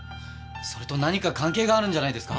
それと何か関係があるんじゃないですか？